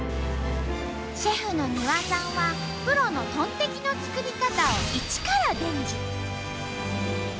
シェフの丹羽さんはプロのトンテキの作り方を一から伝授。